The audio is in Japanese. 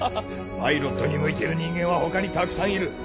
パイロットに向いてる人間は他にたくさんいる。